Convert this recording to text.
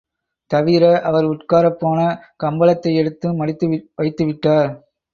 தவிர, அவர் உட்காரப் போன கம்பளத்தை எடுத்து மடித்து வைத்து விட்டார்.